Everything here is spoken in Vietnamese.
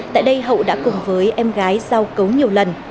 tại đây hậu đã cùng với em gái giao cấu nhiều lần